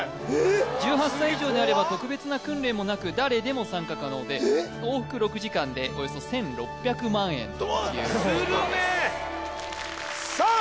１８歳以上であれば特別な訓練もなく誰でも参加可能で往復６時間でおよそ１６００万円ということですするねえさあ